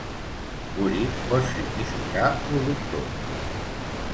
"Buri" pot significar "productor".